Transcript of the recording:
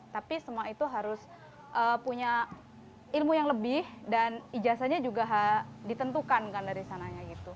tapi semua itu harus punya ilmu yang lebih dan ijasanya juga ditentukan dari sananya